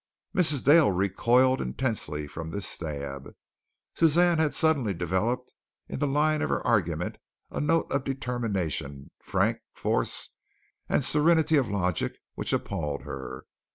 Mrs. Dale recoiled intensely from this stab. Suzanne had suddenly developed in the line of her argument a note of determination, frank force and serenity of logic which appalled her.